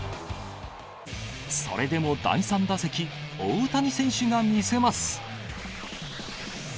それでも第３打席、大谷選手が見せます。